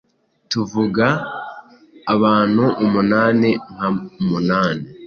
Tuvuga: Abantu umunani, inka umunani,